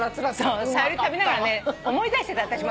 サヨリ食べながらね思い出してた私も。